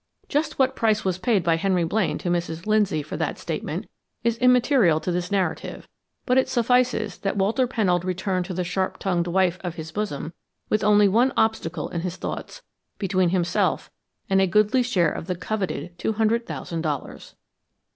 Just what price was paid by Henry Blaine to Mrs. Lindsay for that statement is immaterial to this narrative, but it suffices that Walter Pennold returned to the sharp tongued wife of his bosom with only one obstacle in his thoughts between himself and a goodly share of the coveted two hundred thousand dollars.